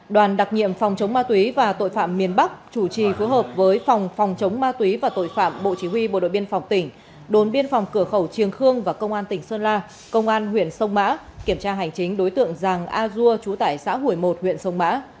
đoàn đặc nhiệm phòng chống ma túy và tội phạm miền bắc chủ trì phối hợp với phòng phòng chống ma túy và tội phạm bộ chỉ huy bộ đội biên phòng tỉnh đồn biên phòng cửa khẩu triềng khương và công an tỉnh sơn la công an huyện sông mã kiểm tra hành chính đối tượng giàng a dua trú tại xã hủy một huyện sông mã